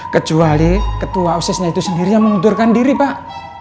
kecuali ketua osisnya itu sendiri yang mengundurkan diri pak